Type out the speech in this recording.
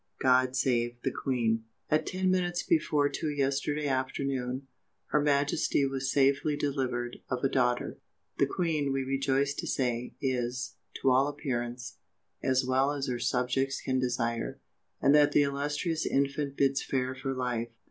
GOD SAVE THE QUEEN!!! At ten minutes before two yesterday afternoon, her Majesty was SAFELY DELIVERED OF A DAUGHTER. The Queen, we rejoice to say, is, to all appearance, as well as her subjects can desire, and that the illustrious infant bids fair for life.